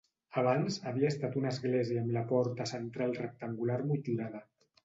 Abans havia estat una església amb la porta central rectangular motllurada.